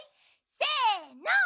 せの！